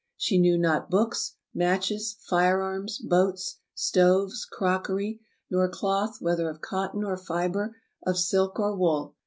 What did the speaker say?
She knew not books, matches, fire arms, boats, stoves, crocker}^ nor cloth whether of cotton or fibre, of silk or wool.